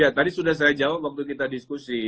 ya tadi sudah saya jawab waktu kita diskusi